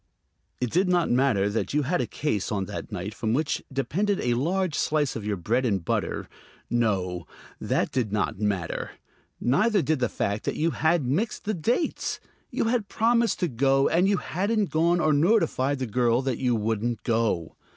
It did not matter that you had a case on that night from which depended a large slice of your bread and butter; no, that did not matter. Neither did the fact that you had mixed the dates. You had promised to go, and you hadn't gone or notified the girl that you wouldn't go.